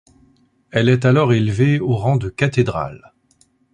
Elle est alors élevée au rang de cathédrale.